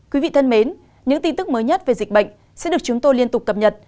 quý vị thân mến những tin tức mới nhất về dịch bệnh sẽ được chúng tôi liên tục cập nhật